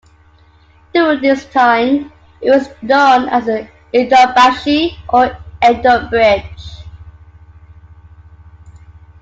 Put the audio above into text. During this time, it was known as "Edobashi", or "Edo Bridge.